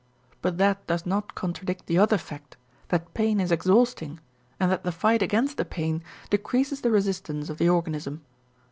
But that does not contradict the other fact that pain is exhausting and that the fight against the pain decreases the resistance of the organism.